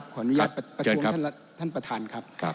ขออนุญาตประท้วงท่านประธานครับ